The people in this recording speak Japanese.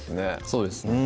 そうですね